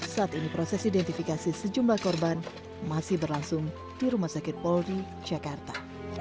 saat ini proses identifikasi sejumlah korban masih berlangsung di rumah sakit polri jakarta